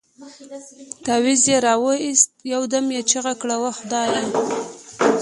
تاويز يې راوايست يو دم يې چيغه کړه وه خدايه.